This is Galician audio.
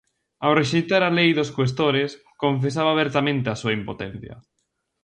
Ao rexeitar a lei dos cuestores, confesaba abertamente a súa impotencia.